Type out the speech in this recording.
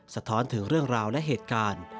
สะท้อนถึงเรื่องราวและเหตุการณ์